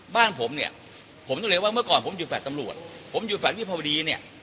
บ้านผมเนี่ยผมต้องเรียนว่าเมื่อก่อนผมอยู่แฟลต์ตำรวจผมอยู่แฟลตวิภาวดีเนี่ย